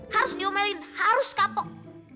harus diomelin harus kapok